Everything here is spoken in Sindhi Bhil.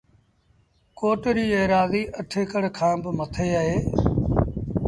ڪوٽ ريٚ ايرآزيٚ اَٺ اڪڙ ڪآن با مٿي اهي